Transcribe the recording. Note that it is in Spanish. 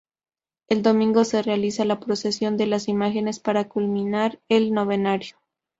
El domingo se realiza la procesión de las imágenes para culminar el novenario.